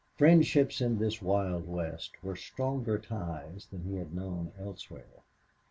Friendships in this wild West were stronger ties than he had known elsewhere.